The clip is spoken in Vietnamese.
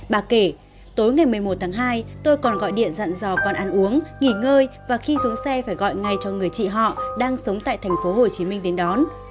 bà kể tối ngày một mươi một tháng hai tôi còn gọi điện dặn dò con ăn uống nghỉ ngơi và khi xuống xe phải gọi ngay cho người chị họ đang sống tại thành phố hồ chí minh đến đón